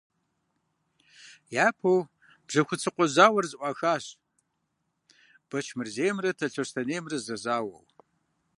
Япэу Бжьэхуцыкъуэ зауэр зэӀуахащ Бэчмырзеймрэ Талъостэнеймрэ зэзауэу.